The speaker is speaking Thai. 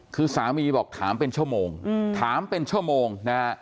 คือสามีบอกถามเป็นชั่วโมง